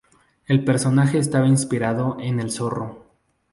El personaje estaba inspirado en El Zorro.